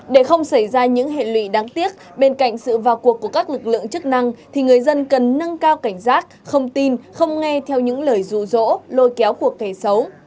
để không xảy ra những hệ lụy đáng tiếc bên cạnh sự vào cuộc của các lực lượng chức năng thì người dân cần nâng cao cảnh giác không tin không nghe theo những lời rụ rỗ lôi kéo của kẻ xấu